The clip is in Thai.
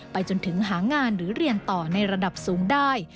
จนถึงหางานหรือเรียนต่อในระดับสูงได้